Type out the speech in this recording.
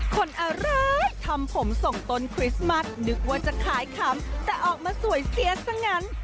คนอะไรทำผมส่งต้นคริสต์มัสนึกว่าจะขายขำแต่ออกมาสวยเสียซะงั้น